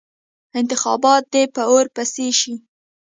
انتخابات دې په اور پسې شي.